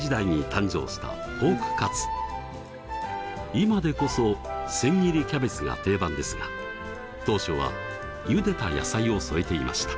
今でこそ千切りキャベツが定番ですが当初はゆでた野菜を添えていました。